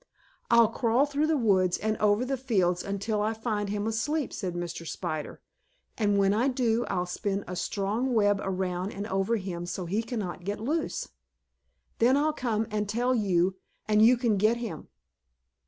"I'll crawl through the woods and over the fields until I find him asleep," said Mr. Spider. "And, when I do, I'll spin a strong web around and over him so he cannot get loose. Then I'll come and tell you and you can get him."